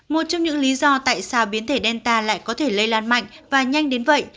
một trong những lý do tại sao biến thể đen ta lại có thể lây lan mạnh và nhanh đến vậy